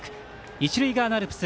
一塁側のアルプス